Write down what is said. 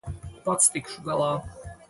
Pats tikšu galā.